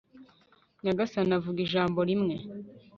nyagasani avuga ijambo rimwe